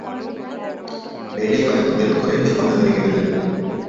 வேலை வாய்ப்புகள் குறைந்துகொண்டு வருகிறது.